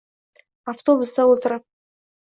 Avtobusda o’ltirib.